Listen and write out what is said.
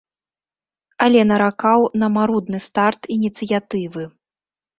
Але наракаў на марудны старт ініцыятывы.